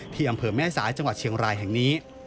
อำเภอแม่สายจังหวัดเชียงรายแห่งนี้